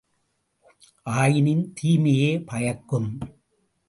ஆயினும் தீமையே பயக்கும்!